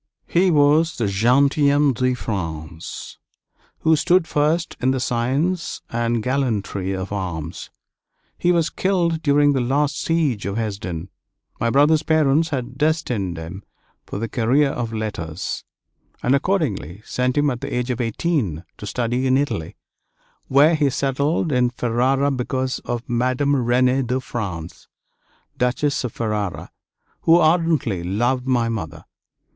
He was the gentilhomme de France who stood first in the science and gallantry of arms. He was killed during the last siege of Hesdin. My brother's parents had destined him for the career of letters, and accordingly sent him at the age of eighteen to study in Italy, where he settled in Ferrara because of Madame Renée de France, Duchess of Ferrara, who ardently loved my mother.